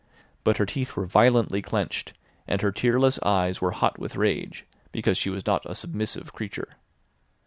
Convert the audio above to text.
But her teeth were violently clenched, and her tearless eyes were hot with rage, because she was not a submissive creature.